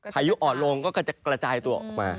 พายุอ่อนลงก็จะกระจายตัวออกมา